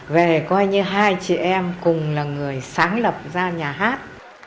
về coi như hai chị em cùng là người sáng lập ra nhà hát